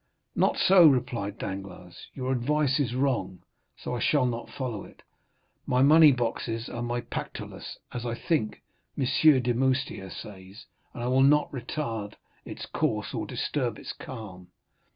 "Not so," replied Danglars; "your advice is wrong, so I shall not follow it. My money boxes are my Pactolus, as, I think, M. Demoustier says, and I will not retard its course, or disturb its calm.